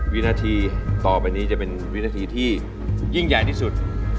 วินาทีต่อไปนี้จะเป็นวินาทีที่ยิ่งใหญ่ที่สุด